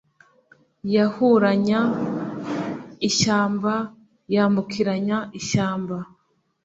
Yahuranya ishyamba, yambukiranya ishyamba.